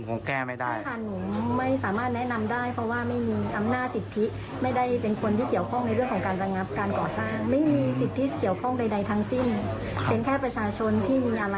เป็นแค่ประชาชนที่มีอะไรก็ยื่นร้องไป